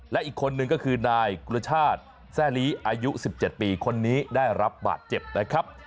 และอีกคนนึงก็คือนายกุรชาติแซ่ลีอายุ๑๗ปีคนนี้ได้รับบาดเจ็บนะครับ